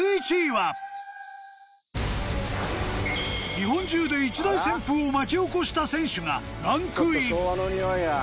日本中で一大旋風を巻き起こした選手がランクイン。